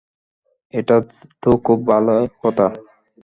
এটা তো খুব ভালে কথা।